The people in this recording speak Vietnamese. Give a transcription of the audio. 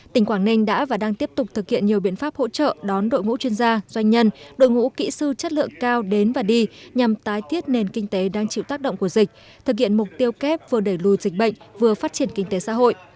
tỉnh quảng ninh đã và đang tiếp tục thực hiện nhiều biện pháp hỗ trợ đón đội ngũ chuyên gia doanh nhân đội ngũ kỹ sư chất lượng cao đến và đi nhằm tái thiết nền kinh tế đang chịu tác động của dịch thực hiện mục tiêu kép vừa đẩy lùi dịch bệnh vừa phát triển kinh tế xã hội